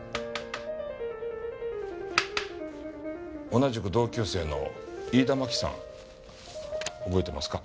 同じく同級生の飯田真紀さん覚えてますか？